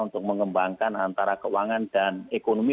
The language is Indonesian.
untuk mengembangkan antara keuangan dan ekonomi